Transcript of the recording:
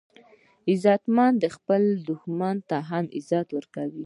غیرتمند د خپل دښمن هم عزت کوي